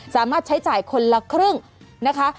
สามารถใช้จ่ายคนละครึ่งนะคะ